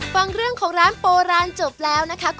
ฟังเรื่องของร้านโบราณจบแล้วนะคะ